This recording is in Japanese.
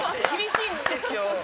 厳しいんですよ。